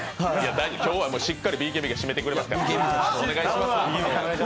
大丈夫、今日はしっかりＢＫＢが締めてくれますから。